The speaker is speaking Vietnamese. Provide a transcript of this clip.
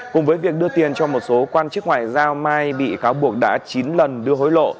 cùng với việc đưa tiền cho một số quan chức ngoại giao mai bị cáo buộc đã chín lần đưa hối lộ